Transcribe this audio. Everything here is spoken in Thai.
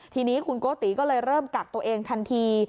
ทีนี้คุณโกติก็เลยเริ่มกักตัวเองทันที